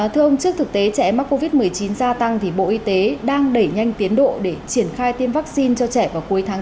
thưa ông trước thực tế trẻ mắc covid một mươi chín gia tăng bộ y tế đang đẩy nhanh tiến độ để triển khai tiêm vaccine cho trẻ vào cuối tháng chín